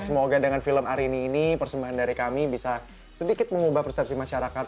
semoga dengan film arini ini persembahan dari kami bisa sedikit mengubah persepsi masyarakat